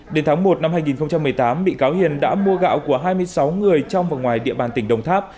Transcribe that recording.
đến tháng một năm hai nghìn một mươi tám bị cáo hiền đã mua gạo của hai mươi sáu người trong và ngoài địa bàn tỉnh đồng tháp